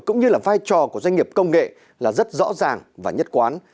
cũng như là vai trò của doanh nghiệp công nghệ là rất rõ ràng và nhất quán